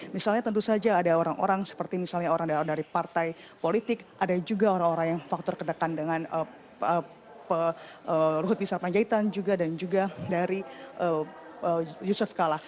misalnya tentu saja ada orang orang seperti misalnya orang dari partai politik ada juga orang orang yang faktor kedekatan dengan luhut bin sarpanjaitan juga dan juga dari yusuf kala